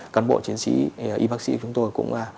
cán bộ chiến sĩ y bác sĩ